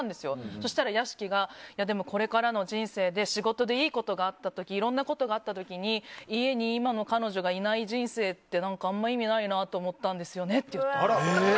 そしたら屋敷がこれからも人生で仕事でいいことがあった時いろんなことがあった時に家に今の彼女がいない人生って何かあまり意味ないなって思ったんですよねって言ってた。